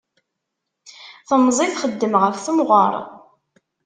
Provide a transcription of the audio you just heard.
Temẓi txeddem ɣef temɣeṛ.